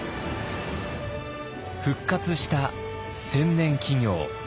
復活した千年企業。